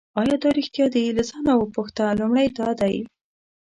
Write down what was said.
آیا دا ریښتیا دي له ځانه وپوښته لومړی دا دی.